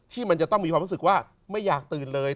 ที่มันจะต้องมีความรู้สึกว่าไม่อยากตื่นเลย